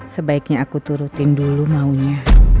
sebaiknya aku turutin dulu maunya